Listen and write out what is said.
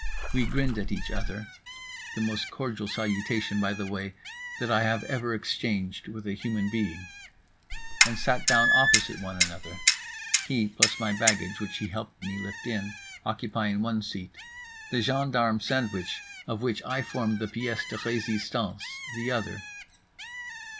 We grinned at each other (the most cordial salutation, by the way, that I have ever exchanged with a human being) and sat down opposite one another—he, plus my baggage which he helped me lift in, occupying one seat; the gendarme sandwich, of which I formed the pièce de résistance, the other.